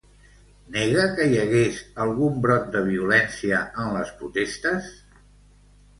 Nega que hi hagués algun brot de violència en les protestes?